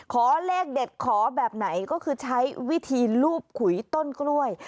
ขอเลขเด็ดขอแบบไหนก็คือใช้วิธีลูบขุยต้นกล้วย